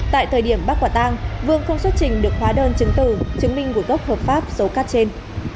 tại thời điểm bắc quả tàng vương không xuất trình được hóa đơn chứng từ chứng minh nguồn gốc hợp pháp dấu cắt trên